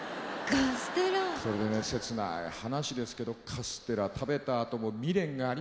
それでね切ない話ですけどカステラ食べたあとも未練がありましてね